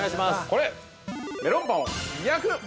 ◆これ、メロンパンを焼く。